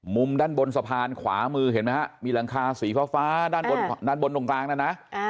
มุมด้านบนสะพานขวามือเห็นไหมฮะมีหลังคาสีฟ้าด้านบนด้านบนตรงกลางนั่นนะ